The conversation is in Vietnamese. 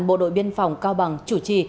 bộ đội biên phòng cao bằng chủ trì